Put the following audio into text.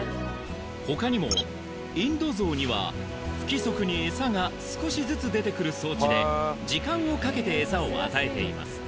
ほかにもインドゾウには不規則にエサが少しずつ出てくる装置で時間をかけてエサを与えています